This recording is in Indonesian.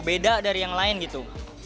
beda dari yang lain gitu